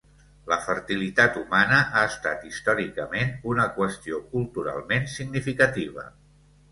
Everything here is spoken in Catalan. La fertilitat humana ha estat històricament una qüestió culturalment significativa.